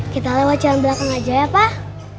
kita lewat jalan belakang aja ya pak